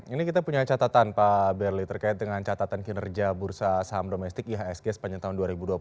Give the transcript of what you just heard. ini kita punya catatan pak berli terkait dengan catatan kinerja bursa saham domestik ihsg sepanjang tahun dua ribu dua puluh satu